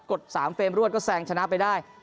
ด๓เฟรมรวดก็แซงชนะไปได้